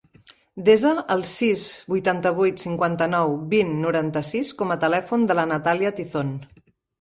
Desa el sis, vuitanta-vuit, cinquanta-nou, vint, noranta-sis com a telèfon de la Natàlia Tizon.